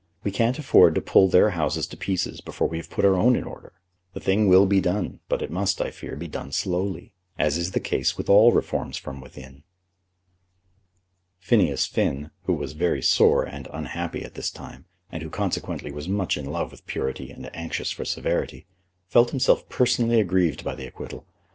We can't afford to pull their houses to pieces before we have put our own in order. The thing will be done; but it must, I fear, be done slowly, as is the case with all reforms from within." Phineas Finn, who was very sore and unhappy at this time, and who consequently was much in love with purity and anxious for severity, felt himself personally aggrieved by the acquittal.